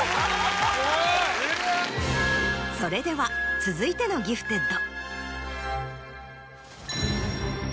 それでは続いてのギフテッド。